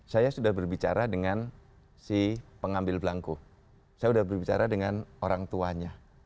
saya sudah berbicara dengan si pengambil belangku saya sudah berbicara dengan orang tuanya